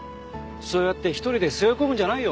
そうやって一人で背負い込むんじゃないよ。